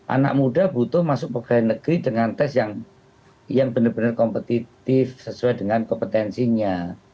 anak muda butuh masuk pegawai negeri dengan tes yang benar benar kompetitif sesuai dengan kompetensinya